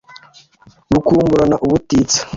bukumburana ubutitsa